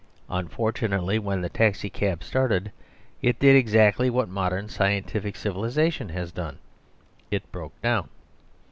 Unfortunately, when the taxi cab started, it did exactly what modern scientific civilisation has done it broke down.